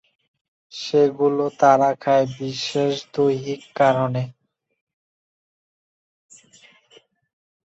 সেগুলো তারা খায় বিশেষ দৈহিক কারণে।